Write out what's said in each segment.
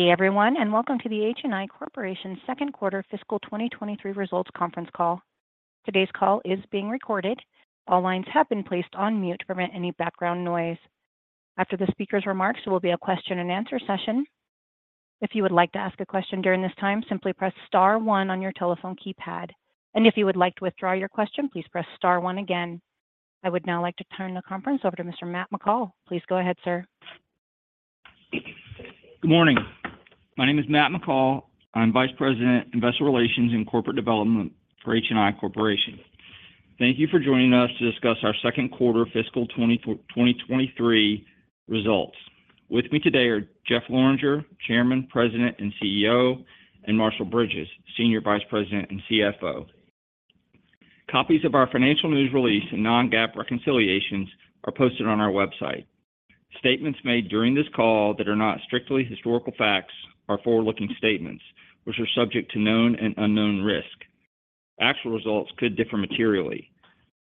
Good day, everyone. Welcome to the HNI Corporation Second Quarter Fiscal 2023 Results Conference Call. Today's call is being recorded. All lines have been placed on mute to prevent any background noise. After the speaker's remarks, there will be a question-and-answer session. If you would like to ask a question during this time, simply press star one on your telephone keypad. If you would like to withdraw your question, please press star one again. I would now like to turn the conference over to Mr. Matt McCall. Please go ahead, sir. Good morning. My name is Matt McCall. I'm Vice President, Investor Relations and Corporate Development for HNI Corporation. Thank you for joining us to discuss our second quarter fiscal 2023 results. With me today are Jeff Lorenger, Chairman, President, and CEO, and Marshall Bridges, Senior Vice President and CFO. Copies of our financial news release and non-GAAP reconciliations are posted on our website. Statements made during this call that are not strictly historical facts are forward-looking statements, which are subject to known and unknown risk. Actual results could differ materially.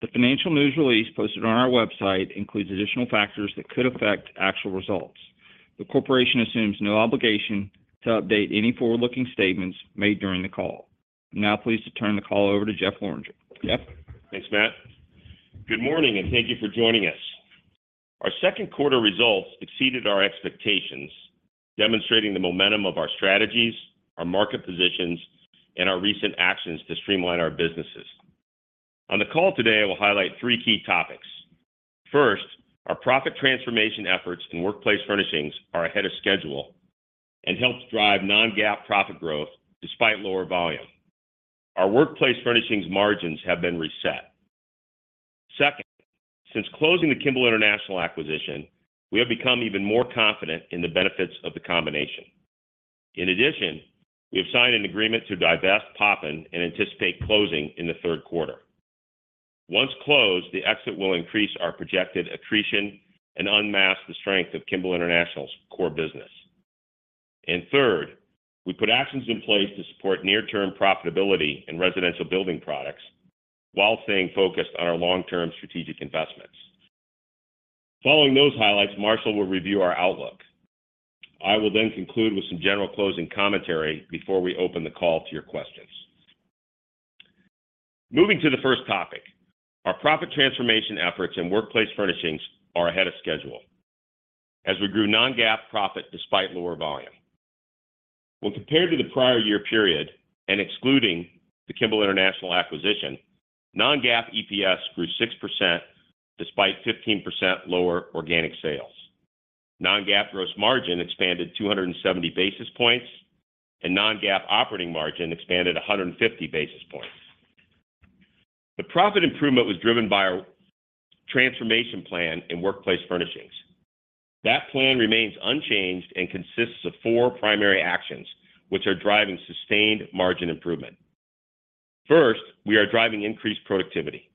The financial news release posted on our website includes additional factors that could affect actual results. The corporation assumes no obligation to update any forward-looking statements made during the call. I'm now pleased to turn the call over to Jeff Lorenger. Jeff? Thanks, Matt. Good morning, and thank you for joining us. Our second quarter results exceeded our expectations, demonstrating the momentum of our strategies, our market positions, and our recent actions to streamline our businesses. On the call today, I will highlight three key topics. First, our profit transformation efforts in Workplace Furnishings are ahead of schedule and helped drive non-GAAP profit growth despite lower volume. Our Workplace Furnishings margins have been reset. Second, since closing the Kimball International acquisition, we have become even more confident in the benefits of the combination. In addition, we have signed an agreement to divest Poppin and anticipate closing in the third quarter. Once closed, the exit will increase our projected accretion and unmask the strength of Kimball International's core business. Third, we put actions in place to support near-term profitability in Residential Building Products while staying focused on our long-term strategic investments. Following those highlights, Marshall will review our outlook. I will then conclude with some general closing commentary before we open the call to your questions. Moving to the first topic, our profit transformation efforts in Workplace Furnishings are ahead of schedule as we grew non-GAAP profit despite lower volume. When compared to the prior year period and excluding the Kimball International acquisition, non-GAAP EPS grew 6%, despite 15% lower organic sales. Non-GAAP gross margin expanded 270 basis points, and non-GAAP operating margin expanded 150 basis points. The profit improvement was driven by our transformation plan in Workplace Furnishings. That plan remains unchanged and consists of four primary actions, which are driving sustained margin improvement. First, we are driving increased productivity.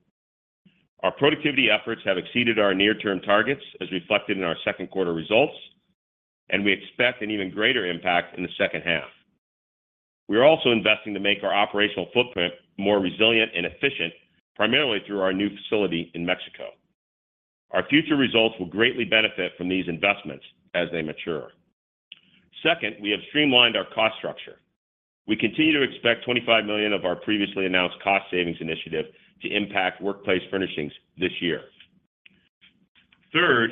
Our productivity efforts have exceeded our near-term targets, as reflected in our second quarter results, and we expect an even greater impact in the second half. We are also investing to make our operational footprint more resilient and efficient, primarily through our new facility in Mexico. Our future results will greatly benefit from these investments as they mature. Second, we have streamlined our cost structure. We continue to expect $25 million of our previously announced cost savings initiative to impact Workplace Furnishings this year. Third,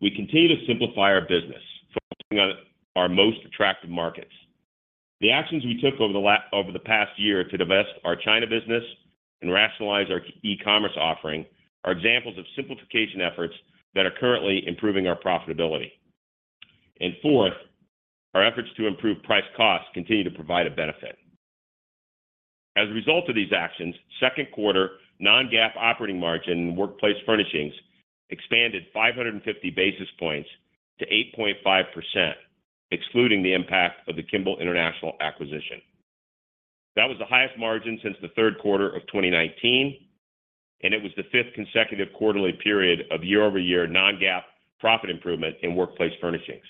we continue to simplify our business, focusing on our most attractive markets. The actions we took over the past year to divest our China business and rationalize our e-commerce offering are examples of simplification efforts that are currently improving our profitability. Fourth, our efforts to improve price costs continue to provide a benefit. As a result of these actions, second quarter non-GAAP operating margin in Workplace Furnishings expanded 550 basis points to 8.5%, excluding the impact of the Kimball International acquisition. That was the highest margin since the third quarter of 2019, and it was the fifth consecutive quarterly period of year-over-year non-GAAP profit improvement in Workplace Furnishings.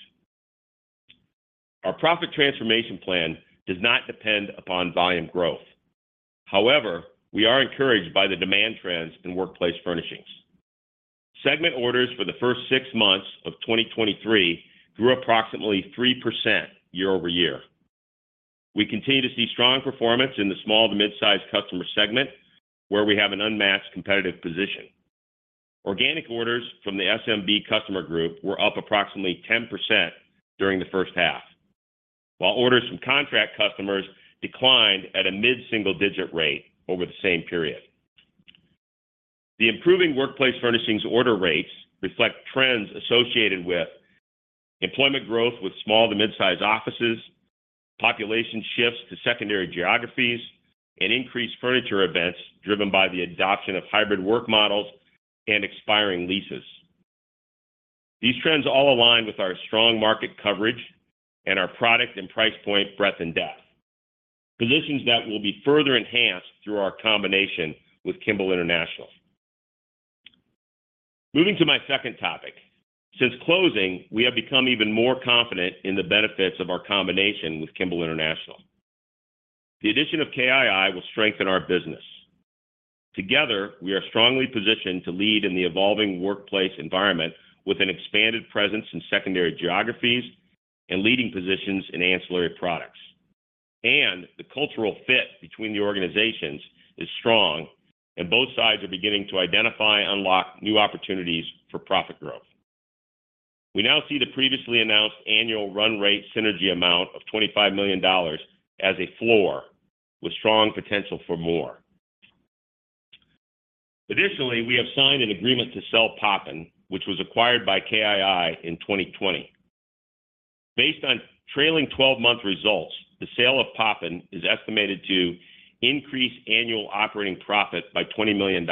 Our profit transformation plan does not depend upon volume growth. However, we are encouraged by the demand trends in Workplace Furnishings. Segment orders for the first six months of 2023 grew approximately 3% year-over-year. We continue to see strong performance in the small to mid-sized customer segment, where we have an unmatched competitive position. Organic orders from the SMB customer group were up approximately 10% during the first half, while orders from contract customers declined at a mid-single-digit rate over the same period. The improving Workplace Furnishings order rates reflect trends associated with employment growth with small to mid-sized offices, population shifts to secondary geographies, and increased furniture events driven by the adoption of hybrid work models and expiring leases. These trends all align with our strong market coverage and our product and price point, breadth and depth. Positions that will be further enhanced through our combination with Kimball International. Moving to my second topic. Since closing, we have become even more confident in the benefits of our combination with Kimball International. The addition of KII will strengthen our business. Together, we are strongly positioned to lead in the evolving workplace environment with an expanded presence in secondary geographies and leading positions in ancillary products. The cultural fit between the organizations is strong, and both sides are beginning to identify and unlock new opportunities for profit growth. We now see the previously announced annual run rate synergy amount of $25 million as a floor, with strong potential for more. Additionally, we have signed an agreement to sell Poppin, which was acquired by KII in 2020. Based on trailing 12-month results, the sale of Poppin is estimated to increase annual operating profit by $20 million,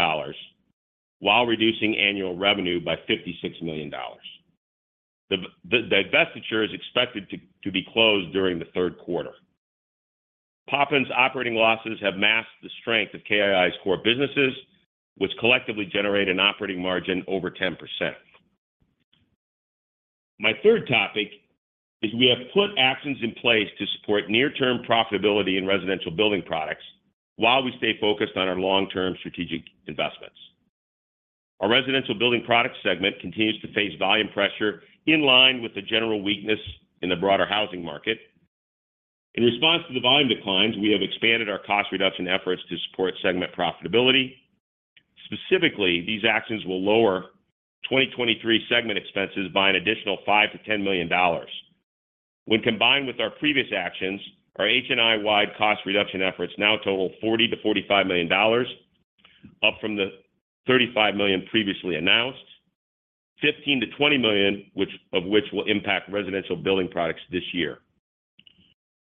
while reducing annual revenue by $56 million. The divestiture is expected to be closed during the third quarter. Poppin's operating losses have masked the strength of KII's core businesses, which collectively generate an operating margin over 10%. My third topic is we have put actions in place to support near-term profitability in Residential Building Products while we stay focused on our long-term strategic investments. Our Residential Building Product segment continues to face volume pressure in line with the general weakness in the broader housing market. In response to the volume declines, we have expanded our cost reduction efforts to support segment profitability. Specifically, these actions will lower 2023 segment expenses by an additional $5 million-$10 million. When combined with our previous actions, our HNI-wide cost reduction efforts now total $40 million-$45 million, up from the $35 million previously announced, $15 million-$20 million, of which will impact Residential Building Products this year.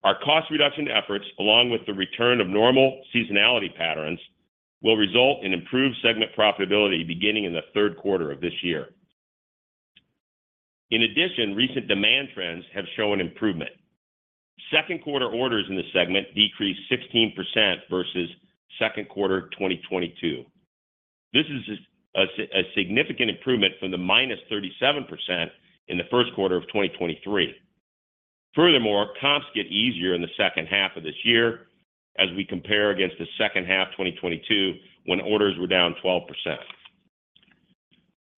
Our cost reduction efforts, along with the return of normal seasonality patterns, will result in improved segment profitability beginning in the third quarter of this year. In addition, recent demand trends have shown improvement. Second quarter orders in this segment decreased 16% versus second quarter 2022. This is a significant improvement from the -37% in the first quarter of 2023. Furthermore, comps get easier in the second half of this year as we compare against the second half of 2022, when orders were down 12%.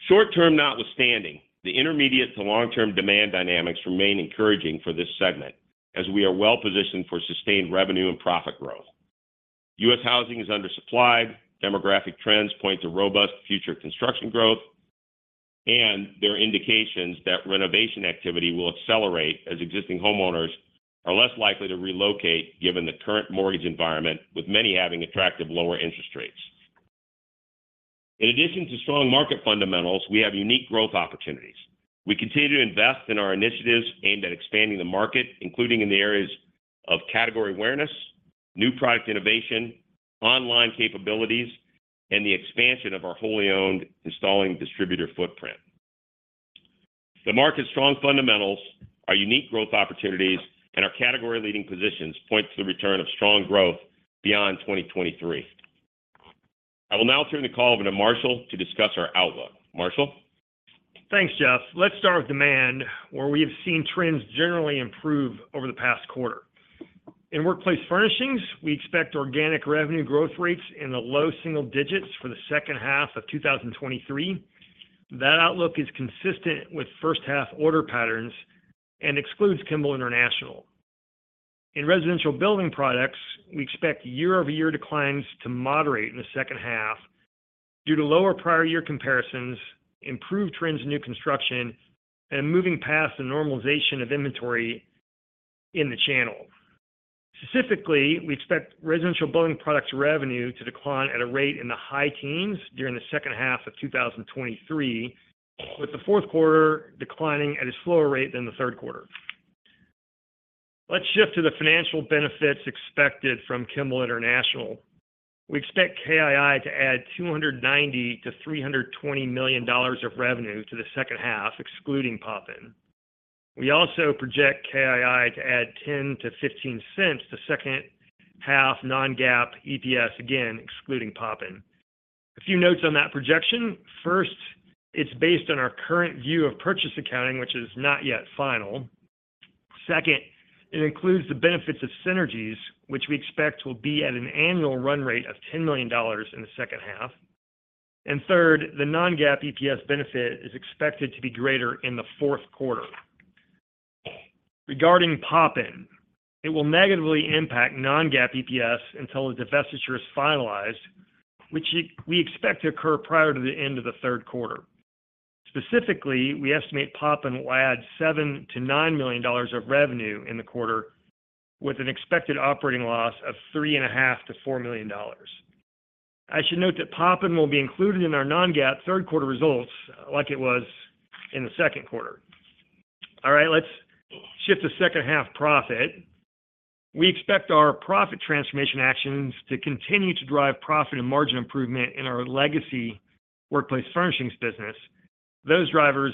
Short term notwithstanding, the intermediate to long-term demand dynamics remain encouraging for this segment, as we are well positioned for sustained revenue and profit growth. U.S. housing is undersupplied, demographic trends point to robust future construction growth, and there are indications that renovation activity will accelerate as existing homeowners are less likely to relocate, given the current mortgage environment, with many having attractive lower interest rates. In addition to strong market fundamentals, we have unique growth opportunities. We continue to invest in our initiatives aimed at expanding the market, including in the areas of category awareness, new product innovation, online capabilities, and the expansion of our wholly owned installing distributor footprint. The market's strong fundamentals, our unique growth opportunities, and our category-leading positions point to the return of strong growth beyond 2023. I will now turn the call over to Marshall to discuss our outlook. Marshall? Thanks, Jeff. Let's start with demand, where we have seen trends generally improve over the past quarter. In Workplace Furnishings, we expect organic revenue growth rates in the low single digits for the second half of 2023. That outlook is consistent with first half order patterns and excludes Kimball International. In Residential Building Products, we expect year-over-year declines to moderate in the second half due to lower prior year comparisons, improved trends in new construction, and moving past the normalization of inventory in the channel. Specifically, we expect Residential Building Products revenue to decline at a rate in the high teens during the second half of 2023, with the fourth quarter declining at a slower rate than the third quarter. Let's shift to the financial benefits expected from Kimball International. We expect KII to add $290 million-$320 million of revenue to the second half, excluding Poppin. We also project KII to add $0.10-$0.15 to second half non-GAAP EPS, again, excluding Poppin. A few notes on that projection. First, it's based on our current view of purchase accounting, which is not yet final. Second, it includes the benefits of synergies, which we expect will be at an annual run rate of $10 million in the second half. Third, the non-GAAP EPS benefit is expected to be greater in the fourth quarter. Regarding Poppin, it will negatively impact non-GAAP EPS until the divestiture is finalized, which we expect to occur prior to the end of the third quarter. Specifically, we estimate Poppin will add $7 million-$9 million of revenue in the quarter, with an expected operating loss of $3.5 million-$4 million. I should note that Poppin will be included in our non-GAAP third quarter results, like it was in the second quarter. All right, let's shift to second half profit. We expect our profit transformation actions to continue to drive profit and margin improvement in our Legacy Workplace Furnishings business. Those drivers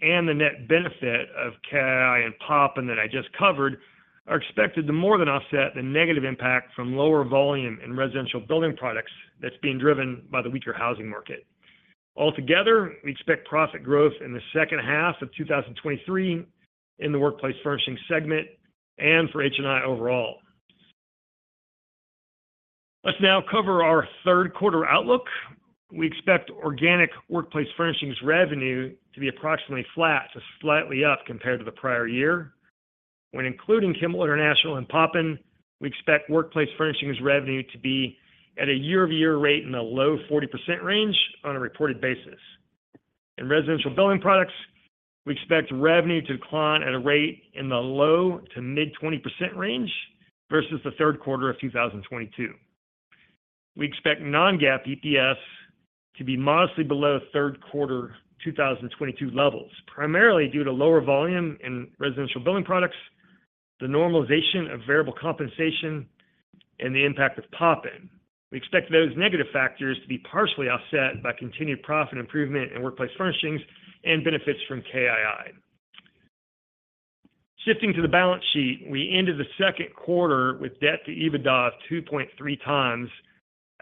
and the net benefit of KII and Poppin that I just covered, are expected to more than offset the negative impact from lower volume in Residential Building Products that's being driven by the weaker housing market. Altogether, we expect profit growth in the second half of 2023 in the Workplace Furnishings segment and for HNI overall. Let's now cover our third quarter outlook. We expect organic Workplace Furnishings revenue to be approximately flat to slightly up compared to the prior year. When including Kimball International and Poppin, we expect Workplace Furnishings revenue to be at a year-over-year rate in the low 40% range on a reported basis. In Residential Building Products, we expect revenue to decline at a rate in the low to mid 20% range versus the third quarter of 2022. We expect non-GAAP EPS to be modestly below third quarter 2022 levels, primarily due to lower volume in Residential Building Products, the normalization of variable compensation, and the impact of Poppin. We expect those negative factors to be partially offset by continued profit improvement in Workplace Furnishings and benefits from KII. Shifting to the balance sheet, we ended the second quarter with debt to EBITDA of 2.3 times,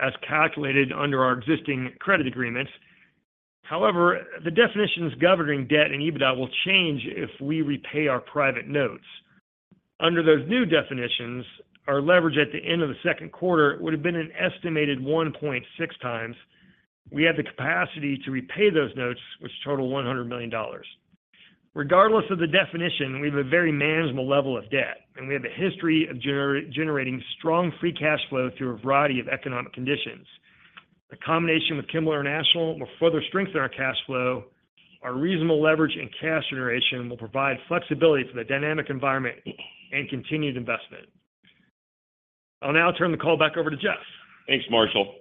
as calculated under our existing credit agreements. However, the definitions governing debt and EBITDA will change if we repay our private notes. Under those new definitions, our leverage at the end of the second quarter would have been an estimated 1.6 times. We have the capacity to repay those notes, which total $100 million. Regardless of the definition, we have a very manageable level of debt, and we have a history of generating strong free cash flow through a variety of economic conditions. The combination with Kimball International will further strengthen our cash flow. Our reasonable leverage and cash generation will provide flexibility for the dynamic environment and continued investment. I'll now turn the call back over to Jeff. Thanks, Marshall.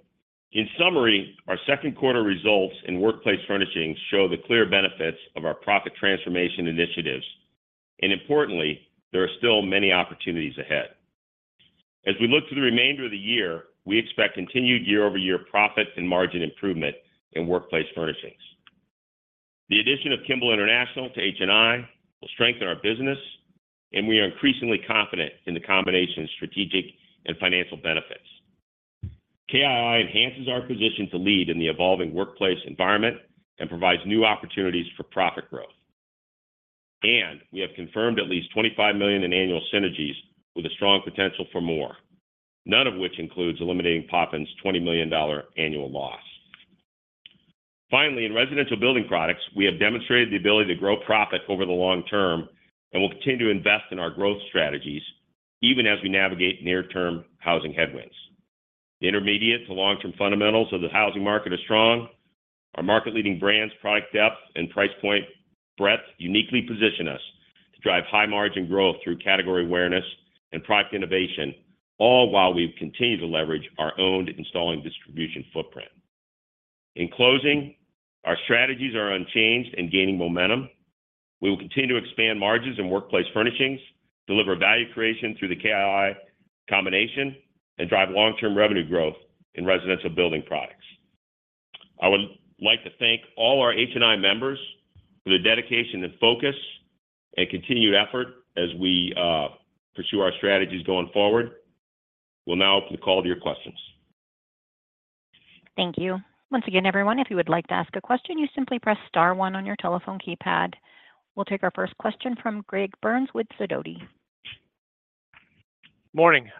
In summary, our second quarter results in Workplace Furnishings show the clear benefits of our profit transformation initiatives, and importantly, there are still many opportunities ahead. As we look to the remainder of the year, we expect continued year-over-year profits and margin improvement in Workplace Furnishings. The addition of Kimball International to HNI will strengthen our business, and we are increasingly confident in the combination of strategic and financial benefits. KII enhances our position to lead in the evolving workplace environment and provides new opportunities for profit growth. We have confirmed at least $25 million in annual synergies with a strong potential for more, none of which includes eliminating Poppin's $20 million annual loss. Finally, in Residential Building Products, we have demonstrated the ability to grow profit over the long term and will continue to invest in our growth strategies even as we navigate near-term housing headwinds. The intermediate to long-term fundamentals of the housing market are strong. Our market-leading brands, product depth, and price point breadth uniquely position us to drive high-margin growth through category awareness and product innovation, all while we've continued to leverage our owned installing distribution footprint. In closing, our strategies are unchanged and gaining momentum. We will continue to expand margins in Workplace Furnishings, deliver value creation through the KII combination, and drive long-term revenue growth in Residential Building Products. I would like to thank all our HNI members for their dedication and focus and continued effort as we pursue our strategies going forward. We'll now open the call to your questions. Thank you. Once again, everyone, if you would like to ask a question, you simply press star one on your telephone keypad. We'll take our first question from Greg Burns with Sidoti. Morning.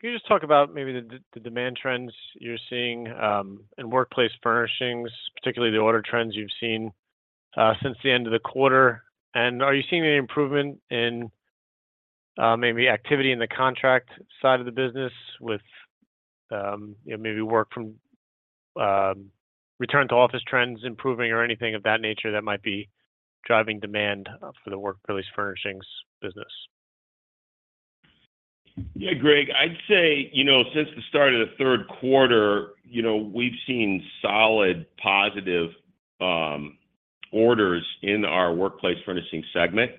Can you just talk about maybe the, the demand trends you're seeing in Workplace Furnishings, particularly the order trends you've seen since the end of the quarter? Are you seeing any improvement in maybe activity in the contract side of the business with, you know, maybe work from return-to-office trends improving or anything of that nature that might be driving demand for the Workplace Furnishings business? Yeah, Greg, I'd say, you know, since the start of the third quarter, you know, we've seen solid positive orders in our Workplace Furnishings segment.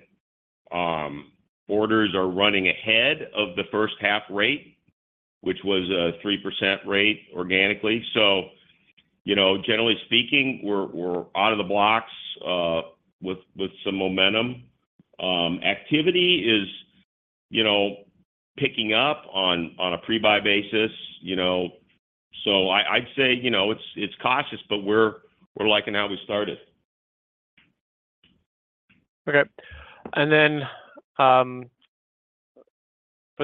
Orders are running ahead of the first half rate, which was a 3% rate organically. You know, generally speaking, we're, we're out of the blocks with, with some momentum. Activity is, you know, picking up on, on a pre-buy basis, you know. I, I'd say, you know, it's, it's cautious, but we're, we're liking how we started. Okay. Then, for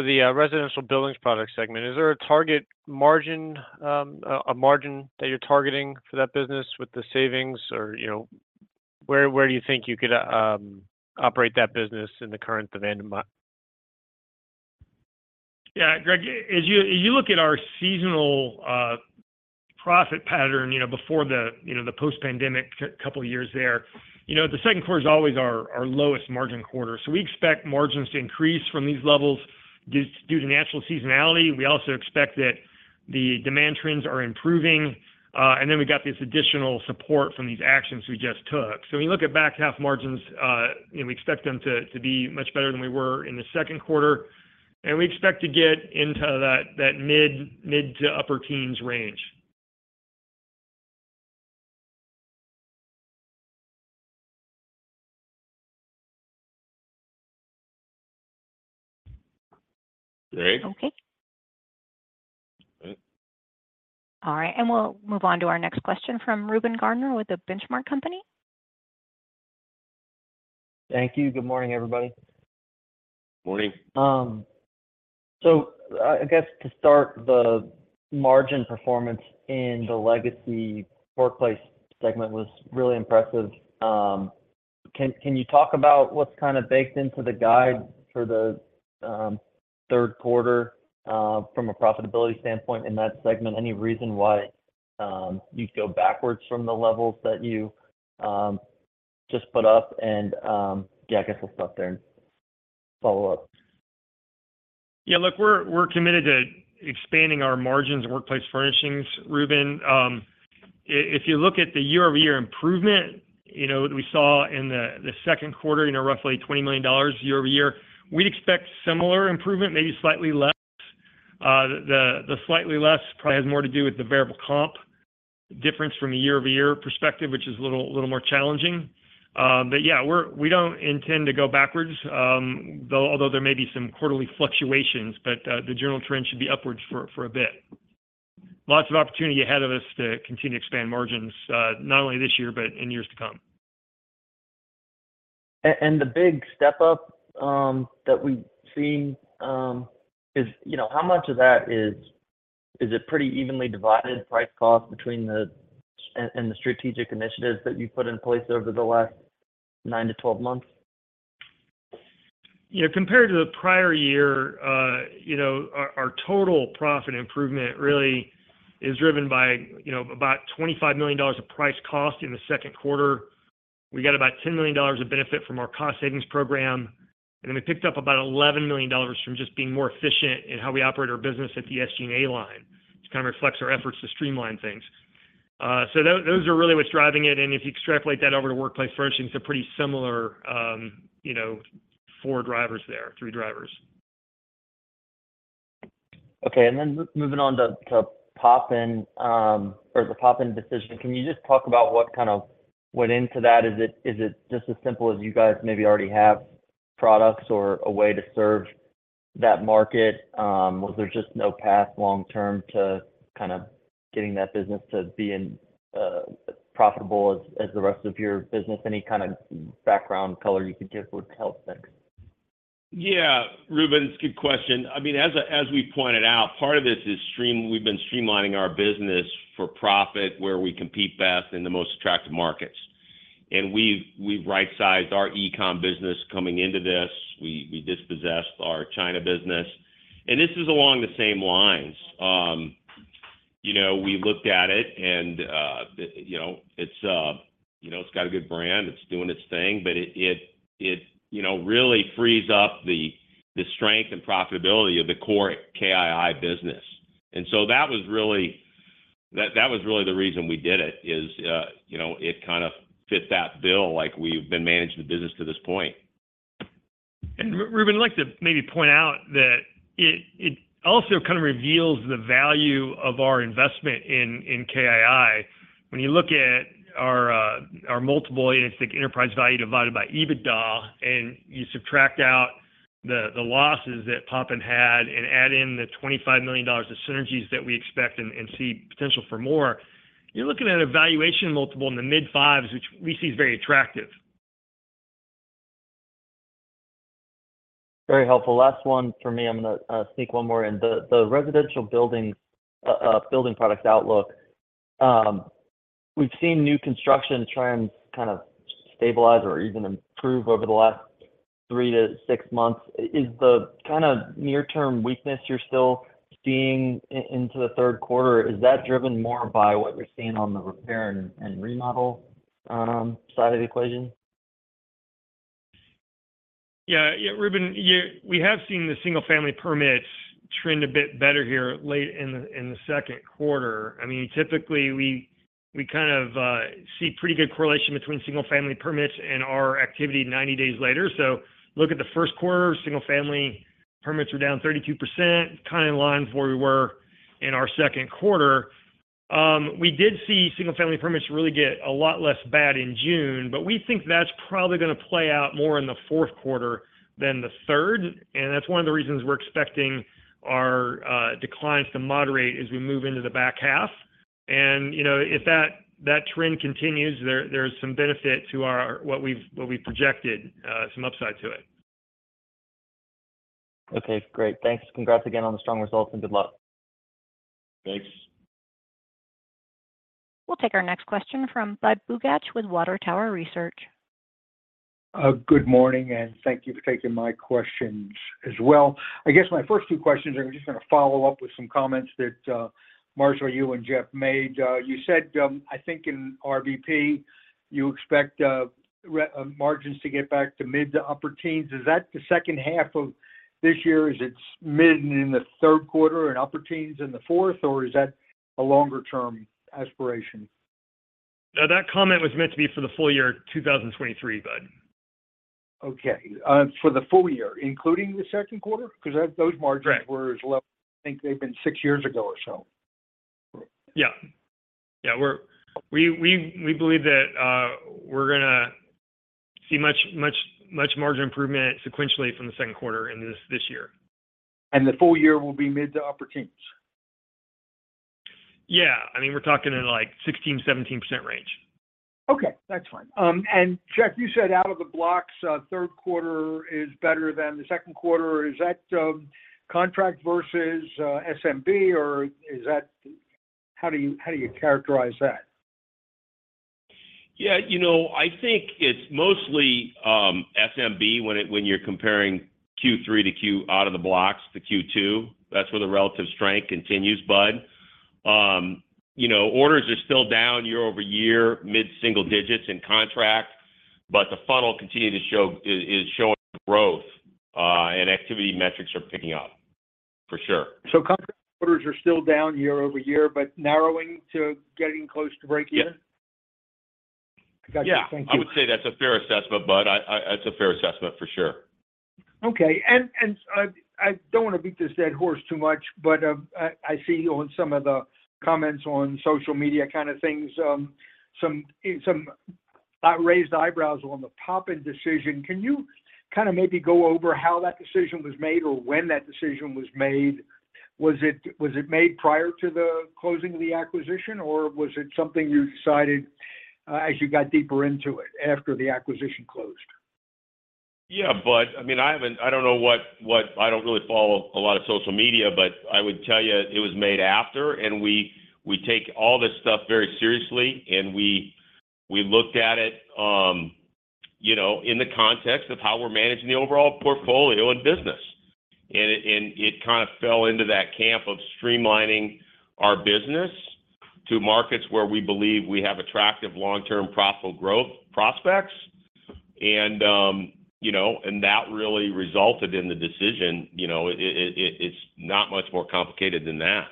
the Residential Building Products segment, is there a target margin, a margin that you're targeting for that business with the savings? Or, you know, where, where do you think you could operate that business in the current demand environment? Yeah, Greg, as you, as you look at our seasonal profit pattern, you know, before the, you know, the post-pandemic two years there, you know, the second quarter is always our, our lowest margin quarter. We expect margins to increase from these levels due, due to natural seasonality. We also expect that the demand trends are improving, we got this additional support from these actions we just took. When you look at back half margins, you know, we expect them to, to be much better than we were in the second quarter, and we expect to get into that, that mid to upper teens range. Okay? Okay. All right, we'll move on to our next question from Reuben Garner with The Benchmark Company. Thank you. Good morning, everybody. Morning. I guess to start, the margin performance in the legacy Workplace segment was really impressive. Can, can you talk about what's kind of baked into the guide for the third quarter, from a profitability standpoint in that segment? Any reason why you'd go backwards from the levels that you just put up? Yeah, I guess I'll stop there and follow up. Yeah, look, we're, we're committed to expanding our margins in Workplace Furnishings, Reuben. If you look at the year-over-year improvement, you know, we saw in the second quarter, you know, roughly $20 million year-over-year. We'd expect similar improvement, maybe slightly less. The slightly less probably has more to do with the variable comp difference from a year-over-year perspective, which is a little, little more challenging. But yeah, we don't intend to go backwards. Although there may be some quarterly fluctuations, but the general trend should be upwards for a bit. Lots of opportunity ahead of us to continue to expand margins, not only this year but in years to come. The big step up, that we've seen, is, you know. How much of that is it pretty evenly divided, price cost between the, and the strategic initiatives that you've put in place over the last nine to 12 months? You know, compared to the prior year, you know, our, our total profit improvement really is driven by, you know, about $25 million of price cost in the second quarter. We got about $10 million of benefit from our cost savings program, and then we picked up about $11 million from just being more efficient in how we operate our business at the SG&A line, which kind of reflects our efforts to streamline things. Those are really what's driving it, and if you extrapolate that over to Workplace Furnishings, they're pretty similar, you know, four drivers there, three drivers. Okay, moving on to, to Poppin, or the Poppin decision, can you just talk about what kind of went into that? Is it, is it just as simple as you guys maybe already have products or a way to serve that market? Was there just no path long term to kind of getting that business to being profitable as, as the rest of your business? Any kind of background color you could give would help. Thanks. Yeah, Reuben, it's a good question. I mean, as, as we pointed out, part of this is we've been streamlining our business for profit, where we compete best in the most attractive markets. We've, we've right-sized our e-com business coming into this. We, we divested our China business, this is along the same lines. You know, we looked at it, you know, it's, you know, it's got a good brand, it's doing its thing, but it, it, it, you know, really frees up the, the strength and profitability of the core KII business. That was really, that, that was really the reason we did it is, you know, it kind of fit that bill, like we've been managing the business to this point. Reuben, I'd like to maybe point out that it also kind of reveals the value of our investment in KII. When you look at our multiple, and it's the enterprise value divided by EBITDA, and you subtract out the losses that Poppin had and add in the $25 million of synergies that we expect and see potential for more, you're looking at a valuation multiple in the mid-fives, which we see is very attractive. Very helpful. Last one for me. I'm gonna sneak one more in. The Residential Building Products outlook, we've seen new construction try and kind of stabilize or even improve over the last three to six months. Is the kind of near-term weakness you're still seeing into the third quarter, is that driven more by what you're seeing on the repair and remodel side of the equation? Yeah. Yeah, Reuben, yeah, we have seen the single-family permits trend a bit better here late in the second quarter. I mean, typically, we, we kind of see pretty good correlation between single-family permits and our activity 90 days later. Look at the first quarter, single-family permits were down 32%, kind of in line with where we were in our second quarter. We did see single-family permits really get a lot less bad in June, but we think that's probably gonna play out more in the fourth quarter than the third, and that's one of the reasons we're expecting our declines to moderate as we move into the back half. You know, if that, that trend continues, there, there's some benefit to our, what we've, what we've projected, some upside to it. Okay, great. Thanks. Congrats again on the strong results, and good luck. Thanks. We'll take our next question from Budd Bugatch with Water Tower Research. Good morning, and thank you for taking my questions as well. I guess my first two questions are just gonna follow up with some comments that Marshall, you and Jeff made. You said, I think in RBP, you expect margins to get back to mid to upper teens. Is that the second half of this year? Is it mid in the third quarter and upper teens in the fourth, or is that a longer-term aspiration? No, that comment was meant to be for the full year 2023, Bud. Okay, for the full year, including the second quarter? 'Cause that- those margins- Right Were as low as I think they've been six years ago or so. Yeah. Yeah, we believe that we're gonna see much, much, much margin improvement sequentially from the second quarter in this, this year. The full year will be mid to upper teens? Yeah. I mean, we're talking in, like, 16%-17% range. Okay, that's fine. Jeff, you said out of the blocks, third quarter is better than the second quarter. Is that contract versus SMB, or is that how do you, how do you characterize that? Yeah, you know, I think it's mostly SMB when you're comparing Q3 to Q out of the blocks to Q2. That's where the relative strength continues, Bud. You know, orders are still down year-over-year, mid-single digits in contracts, but the funnel continue to show, is showing growth, and activity metrics are picking up, for sure. Contract orders are still down year-over-year, but narrowing to getting close to break even? Yeah. Gotcha. Thank you. Yeah, I would say that's a fair assessment, Bud. That's a fair assessment, for sure. Okay, I don't want to beat this dead horse too much, but I see on some of the comments on social media kind of things, some, some raised eyebrows on the Poppin decision. Can you kind of maybe go over how that decision was made or when that decision was made? Was it, was it made prior to the closing of the acquisition, or was it something you decided as you got deeper into it, after the acquisition closed? Yeah, Bud, I mean, I haven't. I don't know what I don't really follow a lot of social media, but I would tell you it was made after, and we, we take all this stuff very seriously, and we, we looked at it, you know, in the context of how we're managing the overall portfolio and business. It kind of fell into that camp of streamlining our business to markets where we believe we have attractive long-term profitable growth prospects. You know, that really resulted in the decision. You know, it's not much more complicated than that.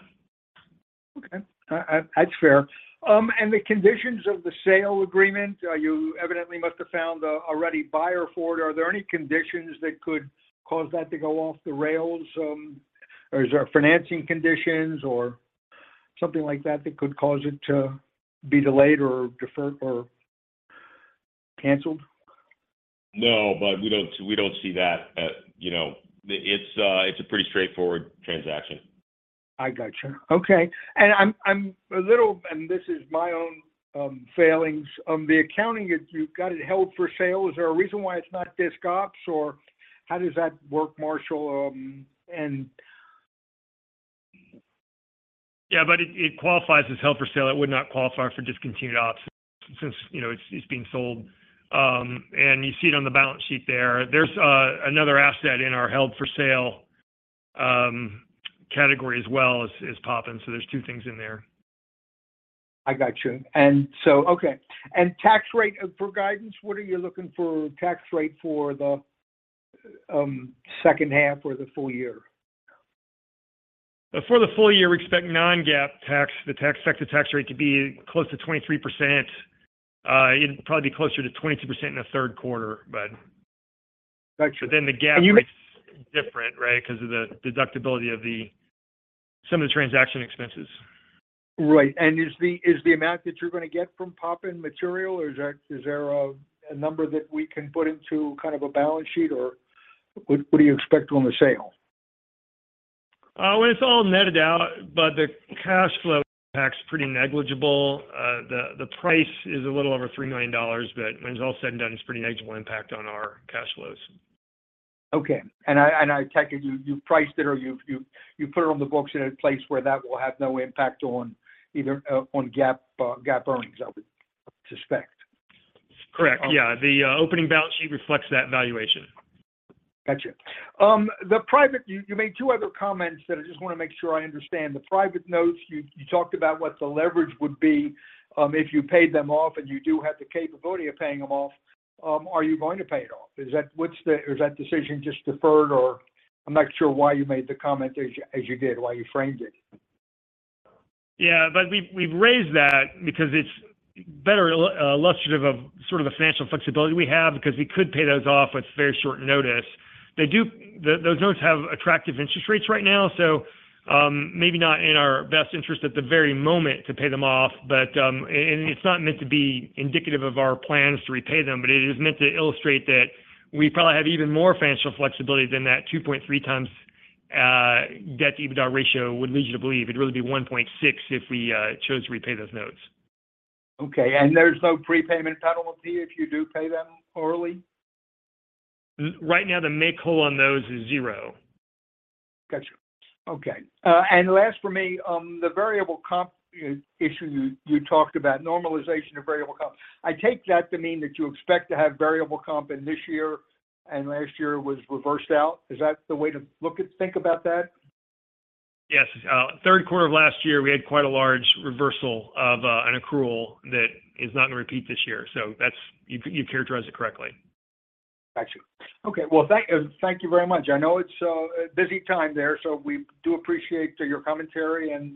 Okay. That's fair. The conditions of the sale agreement, you evidently must have found a, a ready buyer for it. Are there any conditions that could cause that to go off the rails? Is there financing conditions or something like that, that could cause it to be delayed or deferred or canceled? No, Bud, we don't, we don't see that. You know, the it's, it's a pretty straightforward transaction. I got you. Okay, I'm, I'm a little. This is my own, failings. The accounting, you've got it held for sale. Is there a reason why it's not disc ops, or how does that work, Marshall, and- Yeah, Bud, it qualifies as held for sale. It would not qualify for discontinued ops since, you know, it's, it's being sold. You see it on the balance sheet there. There's another asset in our held-for-sale category as well as, as Poppin, so there's two things in there. I got you. Okay, tax rate for guidance, what are you looking for tax rate for the SECOND half or the full year? For the full year, we expect non-GAAP tax, the tax, sector tax rate to be close to 23%. It'd probably be closer to 22% in the third quarter, Bud. Gotcha. Then the GAAP- And you- Is different, right? Because of the deductibility of the, some of the transaction expenses. Right. Is the, is the amount that you're going to get from Poppin material, or is there, is there a, a number that we can put into kind of a balance sheet, or what, what do you expect on the sale? When it's all netted out, but the cash flow impact's pretty negligible. The price is a little over $3 million, but when it's all said and done, it's pretty negligible impact on our cash flows. Okay, and I, and I take it you, you've priced it or you've put it on the books in a place where that will have no impact on either, on GAAP, GAAP earnings, I would suspect. Correct. Um- Yeah, the, opening balance sheet reflects that valuation. Gotcha. The private you made two other comments that I just want to make sure I understand. The private notes, you, you talked about what the leverage would be if you paid them off, and you do have the capability of paying them off. Are you going to pay it off? Is that, what's the- is that decision just deferred or. I'm not sure why you made the comment as you, as you did, why you framed it. Yeah, we've, we've raised that because it's better illustrative of sort of the financial flexibility we have, because we could pay those off with very short notice. The, those notes have attractive interest rates right now, so, maybe not in our best interest at the very moment to pay them off, but, and it's not meant to be indicative of our plans to repay them, but it is meant to illustrate that we probably have even more financial flexibility than that 2.3 times debt-to-EBITDA ratio would lead you to believe. It'd really be 1.6 if we chose to repay those notes. Okay, and there's no prepayment penalty if you do pay them early? Right now, the make whole on those is zero. Gotcha. Okay, last for me, the variable comp issue you talked about, normalization of variable comp. I take that to mean that you expect to have variable comp in this year, last year was reversed out. Is that the way to look at, think about that? Yes. third quarter of last year, we had quite a large reversal of an accrual that is not going to repeat this year. That's. You, you characterized it correctly. Got you. Okay, well, thank you very much. I know it's a busy time there, so we do appreciate your commentary, and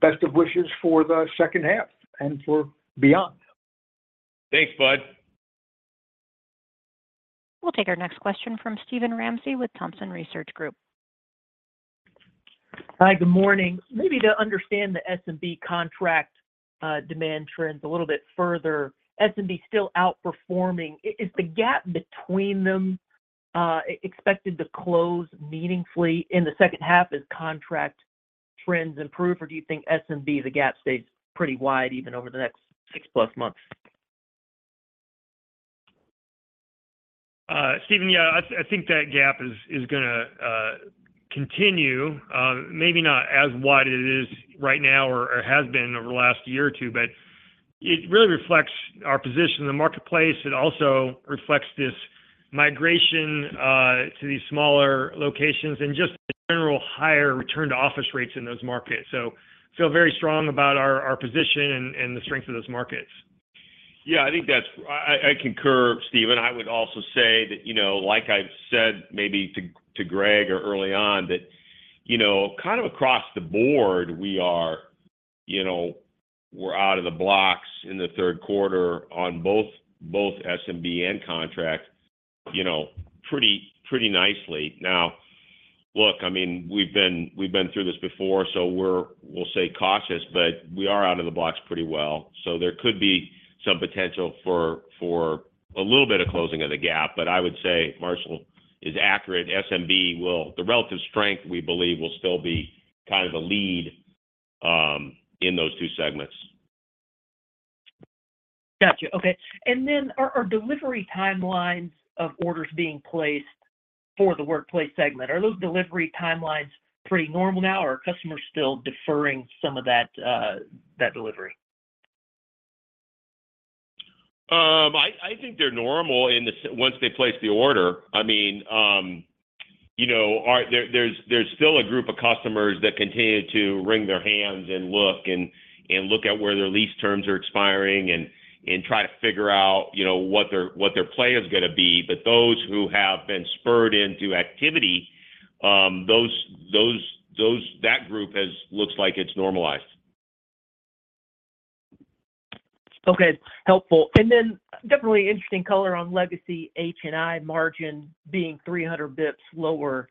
best of wishes for the second half and for beyond. Thanks, Bud. We'll take our next question from Steven Ramsey with Thompson Research Group. Hi, good morning. Maybe to understand the SMB contract, demand trends a little bit further, SMB still outperforming. Is the gap between them expected to close meaningfully in the second half as contract trends improve, or do you think SMB, the gap stays pretty wide even over the next six-plus months? Steven, yeah, I, I think that gap is, is gonna continue. Maybe not as wide as it is right now or, or has been over the last year or 2, but it really reflects our position in the marketplace. It also reflects this migration to these smaller locations and just the general higher return to office rates in those markets. Feel very strong about our, our position and, and the strength of those markets. Yeah, I think that's. I concur, Steven. I would also say that, you know, like I've said maybe to, to Greg or early on, that, you know, kind of across the board, we are, you know, we're out of the blocks in the third quarter on both, both SMB and contract, you know, pretty, pretty nicely. Now, look, I mean, we've been, we've been through this before, so we're, we'll stay cautious, but we are out of the blocks pretty well. There could be some potential for, for a little bit of closing of the gap, but I would say Marshall is accurate. SMB will the relative strength, we believe, will still be kind of the lead in those two segments. Got you. Okay. Are delivery timelines of orders being placed for the Workplace segment, are those delivery timelines pretty normal now, or are customers still deferring some of that, that delivery? I think they're normal in the once they place the order. I mean, you know, there's, there's still a group of customers that continue to wring their hands and look and, and look at where their lease terms are expiring and, and try to figure out, you know, what their, what their play is gonna be. Those who have been spurred into activity, that group has, looks like it's normalized. Okay, helpful. Definitely interesting color on Legacy HNI margin being 300 basis points lower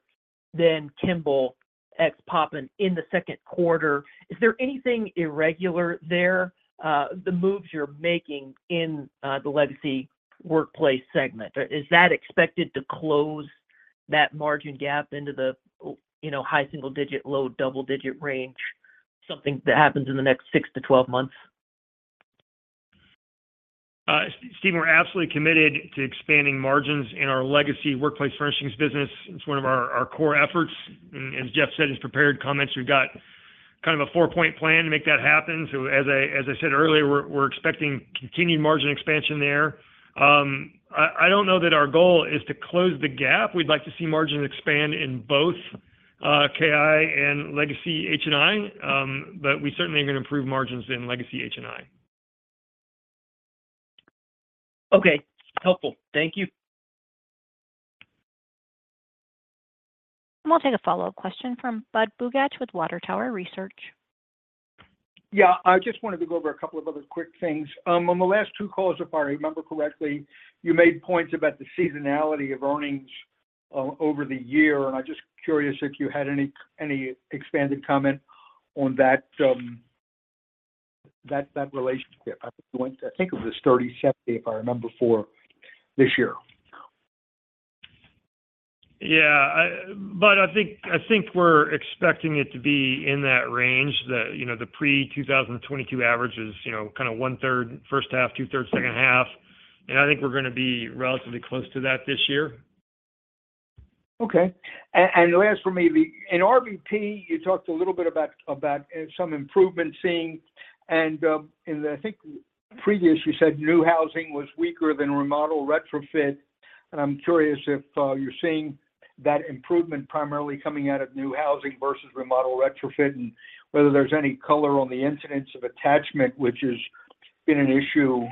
than Kimball ex-Poppin in the second quarter. Is there anything irregular there, the moves you're making in the Legacy Workplace segment? Or is that expected to close that margin gap into the, you know, high single-digit, low double-digit range, something that happens in the next six to 12 months? Steven, we're absolutely committed to expanding margins in our Legacy Workplace Furnishings business. It's one of our core efforts. As Jeff said in his prepared comments, we've got kind of a four-point plan to make that happen. As I said earlier, we're expecting continued margin expansion there. I don't know that our goal is to close the gap. We'd like to see margins expand in both KI and Legacy HNI, we certainly are gonna improve margins in Legacy HNI. Okay. Helpful. Thank you. We'll take a follow-up question from Budd Bugatch with Water Tower Research. Yeah, I just wanted to go over a couple of other quick things. On the last two calls, if I remember correctly, you made points about the seasonality of earnings over the year, and I'm just curious if you had any, any expanded comment on that, that, that relationship. I think it was a sturdy set, if I remember, for this year. Yeah, I, Bud, I think, I think we're expecting it to be in that range. The, you know, the pre-2022 average is, you know, kind of 1/3 first half, 2/3 second half, and I think we're gonna be relatively close to that this year. Okay. Last for me, in RBP, you talked a little bit about, about some improvement seeing, and I think previous, you said new housing was weaker than remodel retrofit. I'm curious if you're seeing that improvement primarily coming out of new housing versus remodel retrofit, and whether there's any color on the incidence of attachment, which has been an issue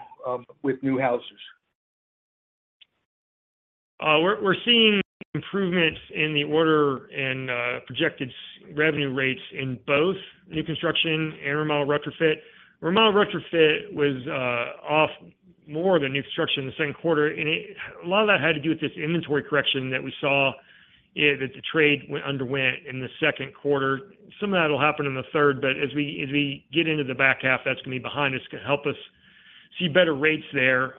with new houses. We're, we're seeing improvements in the order and projected revenue rates in both new construction and remodel retrofit. Remodel retrofit was off more than new construction in the second quarter. A lot of that had to do with this inventory correction that we saw that the trade went underwent in the second quarter. Some of that will happen in the third. As we, as we get into the back half, that's gonna be behind us, to help us see better rates there.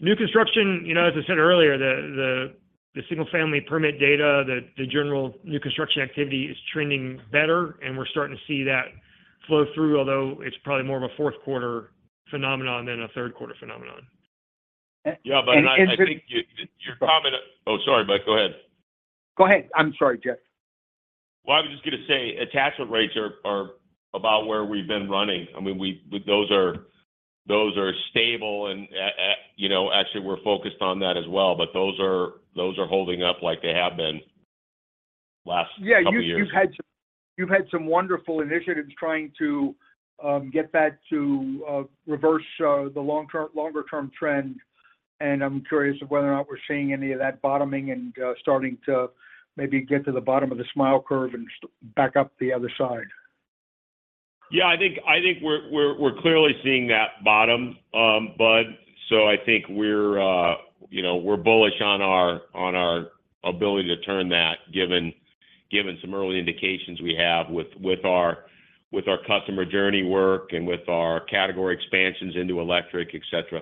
New construction, you know, as I said earlier, the single-family permit data, the general new construction activity is trending better, and we're starting to see that flow through, although it's probably more of a fourth quarter phenomenon than a third quarter phenomenon. Yeah, but I. is it- I think your comment- Oh, sorry, Budd. Go ahead. Go ahead. I'm sorry, Jeff. Well, I was just gonna say, attachment rates are, are about where we've been running. I mean, we, those are, those are stable, and a, a, you know, actually, we're focused on that as well. Those are, those are holding up like they have been last couple years. Yeah, you, you've had some, you've had some wonderful initiatives trying to get that to reverse the long term- longer term trend, and I'm curious of whether or not we're seeing any of that bottoming and starting to maybe get to the bottom of the smile curve and back up the other side. I think, I think we're, we're, we're clearly seeing that bottom, Bud. I think we're, you know, we're bullish on our, on our ability to turn that, given, given some early indications we have with, with our, with our customer journey work and with our category expansions into electric, et cetera.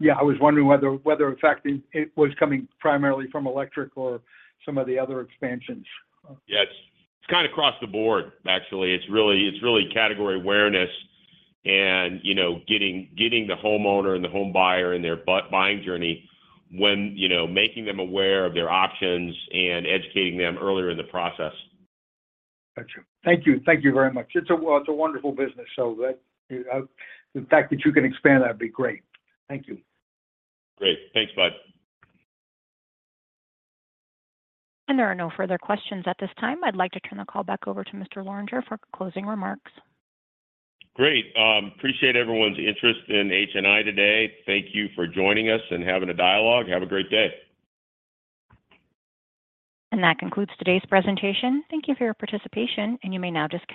Yeah, I was wondering whether, whether, in fact, it, it was coming primarily from electric or some of the other expansions. Yeah, it's, it's kind of across the board, actually. It's really, it's really category awareness and, you know, getting, getting the homeowner and the home buyer in their buying journey, when, you know, making them aware of their options and educating them earlier in the process. Gotcha. Thank you. Thank you very much. It's a wonderful business, so that the fact that you can expand that would be great. Thank you. Great. Thanks, Bud. There are no further questions at this time. I'd like to turn the call back over to Mr. Lorenger for closing remarks. Great. Appreciate everyone's interest in HNI today. Thank you for joining us and having a dialogue. Have a great day. That concludes today's presentation. Thank you for your participation, and you may now disconnect.